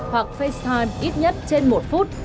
hoặc facetime ít nhất trên một phút